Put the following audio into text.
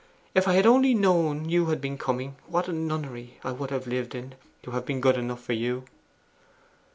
If I had only known you had been coming, what a nunnery I would have lived in to have been good enough for you!